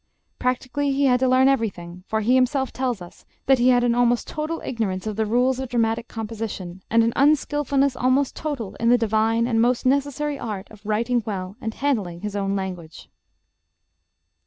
Practically he had to learn everything; for he himself tells us that he had "an almost total ignorance of the rules of dramatic composition, and an unskillfulness almost total in the divine and most necessary art of writing well and handling his own language."